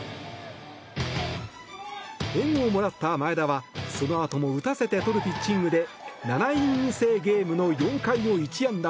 援護をもらった前田はそのあとも打たせて取るピッチングで７イニング制ゲームの４回を１安打